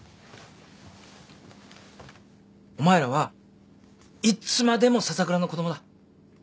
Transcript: お前らはいつまでも笹倉の子供だ。